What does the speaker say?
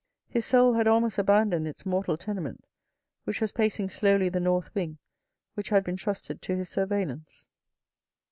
His soul had almost abandoned its mortal tenement, which was pacing slowly the north wing which had been trusted to his surveillance.